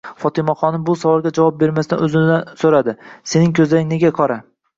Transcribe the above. Fotimaxonim bu savolga javob bermasdan o'zi so'radi: Sening ko'zlaring nega qora?